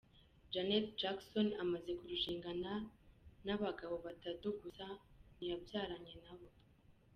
Jannet Jackson amaze kurushingana n’abagabo batatu gusa ntiyabyaranye na bo.